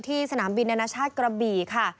สนามบินอนาชาติกระบี่ค่ะ